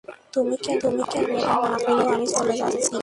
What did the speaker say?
তুমি ক্যামেরা না পেলেও আমি চলে যাচ্ছি।